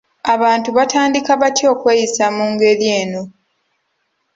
Abantu batandika batya okweyisa mu ngeri eno?